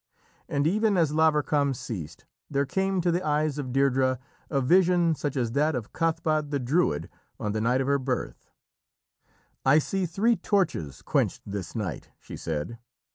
And even as Lavarcam ceased there came to the eyes of Deirdrê a vision such as that of Cathbad the Druid on the night of her birth. "I see three torches quenched this night," she said.